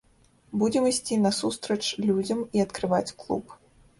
Будзем ісці насустрач людзям і адкрываць клуб.